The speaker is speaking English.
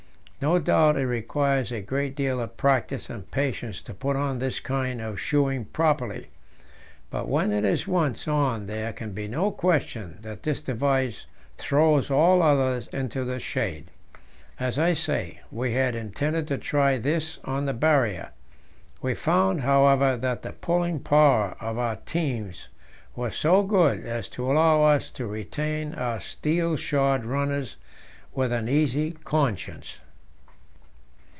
No doubt it requires a great deal of practice and patience to put on this kind of shoeing properly, but when it is once on there can be no question that this device throws all others into the shade. As I say, we had intended to try this on the Barrier; we found, however, that the pulling power of our teams was so good as to allow us to retain our steel shod runners with an easy conscience.